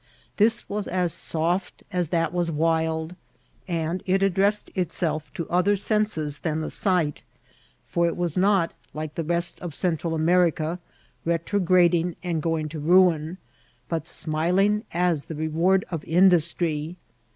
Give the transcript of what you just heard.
This was as soft as that was wild ; and it addressed it* self to other senses than the sight, for it was not, like the rest of Central America, retrograding and going to ruin, but smiling as the reward of industry.